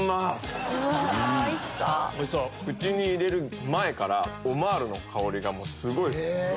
口に入れる前からオマールの香りがすごいっす。